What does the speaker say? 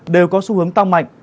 đều có xu hướng tăng mạnh